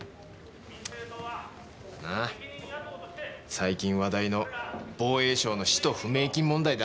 最近話題の防衛省の使途不明金問題だ。